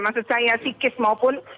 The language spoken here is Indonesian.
maksud saya psikis maupun